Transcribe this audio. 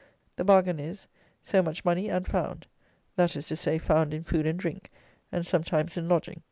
The bargain is, so much money and found; that is to say, found in food and drink, and sometimes in lodging.